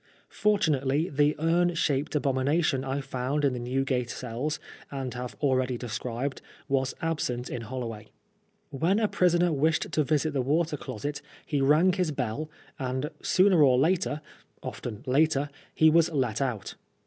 Fortunately, the nm shaped abomination I found in the Newgate cells, and have already described, was absent in Holloway. When a prisoner wished to visit the water closet, he rang his bell, and sooner or later (often later) he was let out.